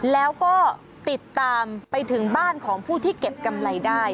แล้วก็ติดตามไปถึงบ้านของผู้ที่เก็บกำไรได้